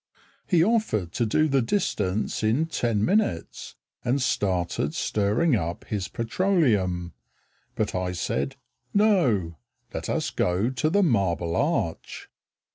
He offered to do the distance in ten minutes And started stirring up his petroleum, But I said "No. Let us go to the Marble Arch."